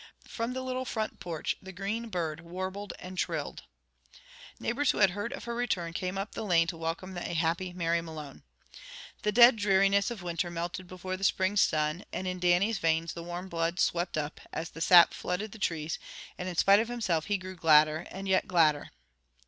From the little front porch, the green bird warbled and trilled. Neighbors who had heard of her return came up the lane to welcome a happy Mary Malone. The dead dreariness of winter melted before the spring sun, and in Dannie's veins the warm blood swept up, as the sap flooded the trees, and in spite of himself he grew gladder and yet gladder.